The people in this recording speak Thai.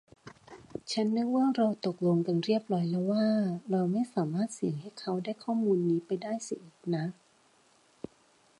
ฉันนีกว่าเราตกลงกันเรียบร้อยแล้วว่าเราไม่สามารถเสี่ยงให้เขาได้ข้อมูลนี้ไปได้เสียอีกนะ